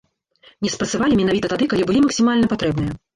Не спрацавалі менавіта тады, калі былі максімальна патрэбныя.